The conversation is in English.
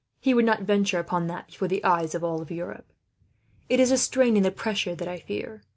He would not venture upon that, before the eyes of all Europe. It is the strain and the pressure that I fear.